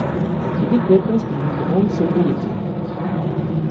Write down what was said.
Le décor reste d’une grande sobriété.